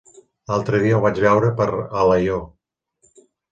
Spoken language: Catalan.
L'altre dia el vaig veure per Alaior.